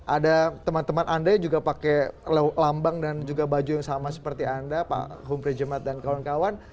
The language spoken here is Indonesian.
ada teman teman anda yang juga pakai lambang dan juga baju yang sama seperti anda pak humprejemat dan kawan kawan